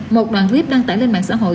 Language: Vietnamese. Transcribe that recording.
một đoàn clip đăng tải lên mạng xã hội